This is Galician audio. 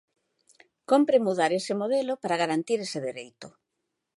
Cómpre mudar ese modelo para garantir ese dereito.